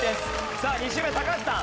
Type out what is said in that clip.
さあ２周目高橋さん。